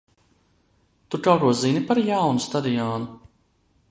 Tu kaut ko zini par jaunu stadionu?